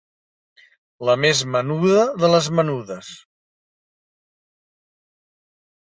La més menuda de les menudes.